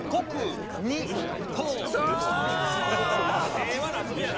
平和な遊びやな